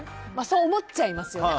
そう思っちゃいますよね